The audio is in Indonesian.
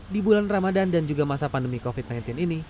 di bulan ramadan dan juga masa pandemi covid sembilan belas ini